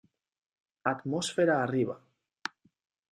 Atmósfera arriba.